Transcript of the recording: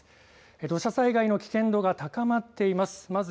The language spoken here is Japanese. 土砂災害の危険度が高まっています。